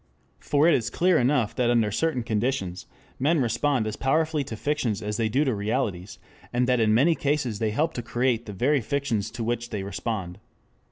For it is clear enough that under certain conditions men respond as powerfully to fictions as they do to realities, and that in many cases they help to create the very fictions to which they respond.